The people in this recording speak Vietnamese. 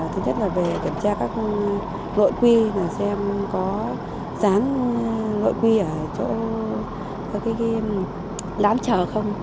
thứ nhất là kiểm tra các nội quy xem có rán nội quy ở chỗ lám chợ không